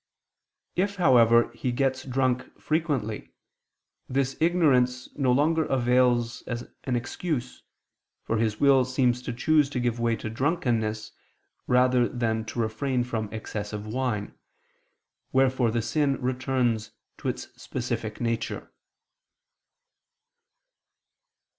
If, however, he gets drunk frequently, this ignorance no longer avails as an excuse, for his will seems to choose to give way to drunkenness rather than to refrain from excess of wine: wherefore the sin returns to its specific nature.